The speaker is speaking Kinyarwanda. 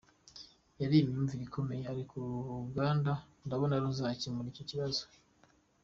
Yari imvune ikomeye, ariko uru ruganda ndabona ruzakemura icyo kibazo.